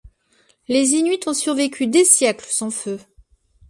Les Inuits ont survécu des siècles sans feu !